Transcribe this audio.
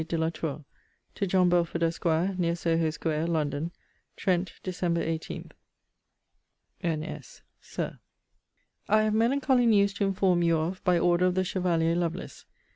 DE LA TOUR. TO JOHN BELFORD, ESQ. NEAR SOHO SQUARE, LONDON. TRENT, DEC. 18, N.S. SIR, I have melancholy news to inform you of, by order of the Chevalier Lovelace.